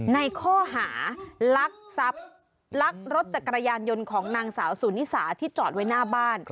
ในข้อหารักทรัพย์ลักรถจักรยานยนต์ของนางสาวสุนิสาที่จอดไว้หน้าบ้าน